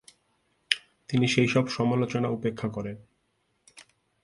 তিনি সেইসব সমালোচনা উপেক্ষা করেন।